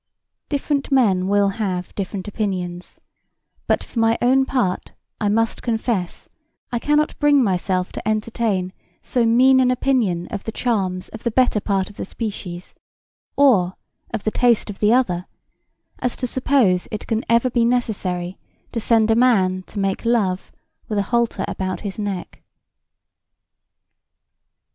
Different men will have different opinions but, for my own part, I must confess I can not bring myself to entertain so mean an opinion of the charms of the better part of the species or of the taste of the other as to suppose it can ever be necessary to send a man to make love with a halter about his neck.